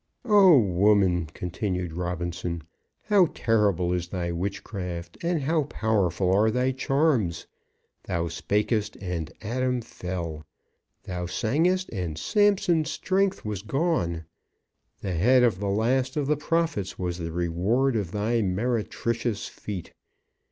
"O woman!" continued Robinson, "how terrible is thy witchcraft, and how powerful are thy charms! Thou spakest, and Adam fell. Thou sangest, and Samson's strength was gone. The head of the last of the prophets was the reward of thy meretricious feet.